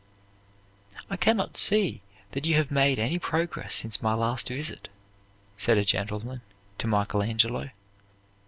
"I cannot see that you have made any progress since my last visit," said a gentleman to Michael Angelo.